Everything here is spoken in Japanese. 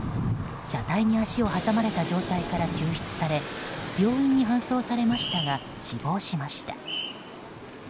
車体に足を挟まれた状態から救出され病院に搬送されましたが死亡しました。